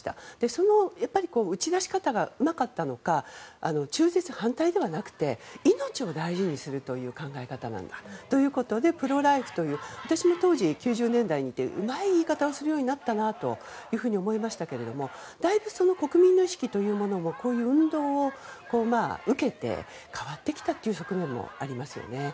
その打ち出し方がうまかったのか中絶反対ではなくて命を大事にするという考え方なんだということでプロ・ライフという私も当時、９０年代に見てうまい言い方をするようになったなと思いましたけれどもだいぶ、国民の意識もこういう運動を受けて変わってきたという側面もありますよね。